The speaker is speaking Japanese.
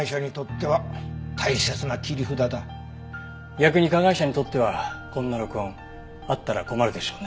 逆に加害者にとってはこんな録音あったら困るでしょうね。